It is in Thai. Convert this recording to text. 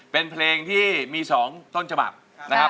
เป็นเพลงที่มี๒ต้นฉบับนะครับ